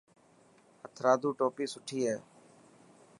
هٿرادو ٽوپي سٺي هي.